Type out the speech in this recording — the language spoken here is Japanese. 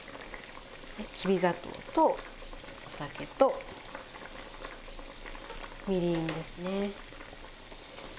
きび砂糖とお酒とみりんですね。